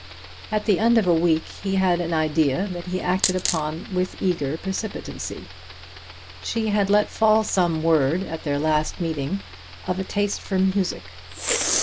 At the end of a week he had an idea that he acted upon with eager precipitancy. She had let fall some word, at their last meeting, of a taste for music.